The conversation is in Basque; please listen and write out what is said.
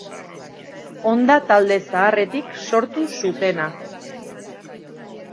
Honda talde zaharretik sortu zutena.